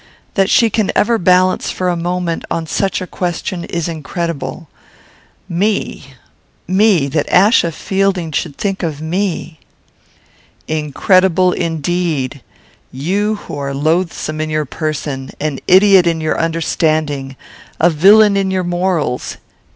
That she can ever balance for a moment, on such a question, is incredible. Me! me! That Achsa Fielding should think of me!" "Incredible, indeed! You, who are loathsome in your person, an idiot in your understanding, a villain in your morals!